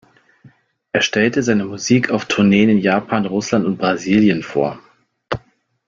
Er stellte seine Musik auf Tourneen in Japan, Russland und Brasilien vor.